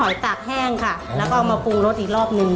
ตากแห้งค่ะแล้วก็เอามาปรุงรสอีกรอบหนึ่ง